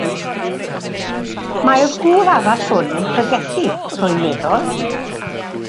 Mae'r gŵr arall hwn yn pregethu, rwy'n meddwl?